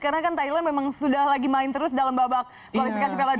karena kan thailand memang sudah lagi main terus dalam babak kualifikasi pelan dunia